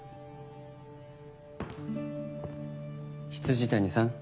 未谷さん。